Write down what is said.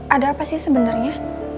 ada apa sih sebenernya